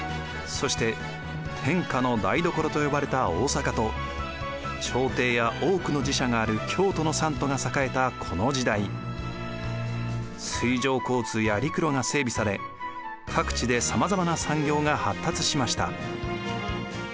そして天下の台所と呼ばれた大坂と朝廷や多くの寺社がある京都の三都が栄えたこの時代水上交通や陸路が整備され各地でさまざまな産業が発達しました。